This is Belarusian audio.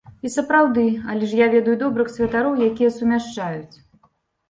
І сапраўды, але ж я ведаю добрых святароў, якія сумяшчаюць.